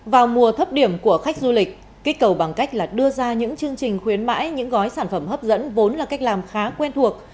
vào mùa thấp điểm của khách du lịch kích cầu bằng cách là đưa ra những chương trình khuyến mãi những gói sản phẩm hấp dẫn vốn là cách làm khá quen thuộc